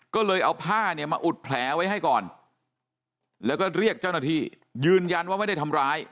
ก็เลยเอาผ้าเนี่ยมาอุดแผลไว้ให้ก่อนแล้วก็เรียกเจ้าหน้าที่ยืนยันว่าไม่ได้ทำร้าย